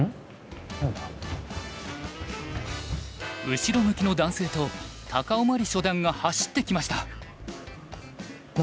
後ろ向きの男性と高雄茉莉初段が走ってきました。